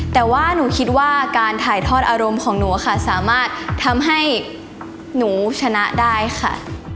แต่ว่าหนูคิดว่าการถ่ายทอดอารมณ์ของหนูค่ะสามารถทำให้หนูชนะได้ค่ะ